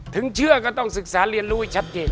เชื่อก็ต้องศึกษาเรียนรู้ให้ชัดเจน